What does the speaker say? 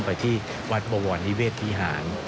ไปที่วัดบวรนิเวศวิหาร